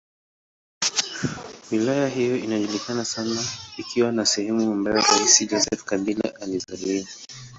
Wilaya hiyo inajulikana sana ikiwa ni sehemu ambayo rais Joseph Kabila alizaliwa.